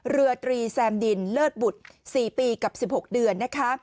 เรือตรีแซมดินเลิศบุตร๔ปีกับ๑๖เดือนนะคะ